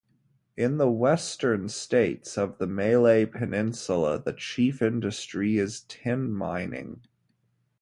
In the western states of the Malay Peninsula the chief industry is tin mining.